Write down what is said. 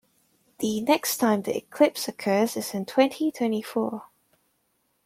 The next time the eclipse occurs is in twenty-twenty-four.